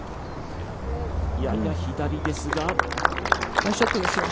ナイスショットですよ